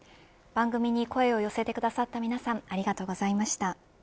番組に声を寄せてくださった皆さんありがとうございました。